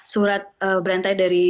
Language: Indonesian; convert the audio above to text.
surat berantai dari